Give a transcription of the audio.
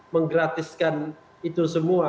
menggratiskan itu semua